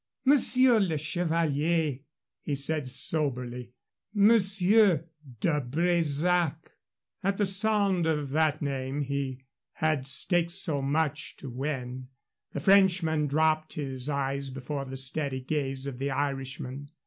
"Monsieur le Chevalier," he said, soberly "Monsieur de Bresac " At the sound of that name he had staked so much to win, the Frenchman dropped his eyes before the steady gaze of the Irishman.